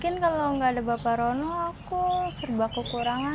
jika tidak ada bapak sarono saya akan terlalu kurang